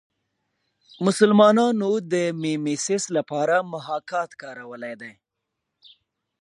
مسلمانانو د میمیسیس لپاره محاکات کارولی دی